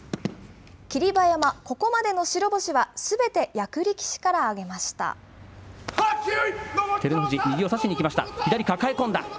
霧馬山、ここまでの白星はすべて役力士から挙げました。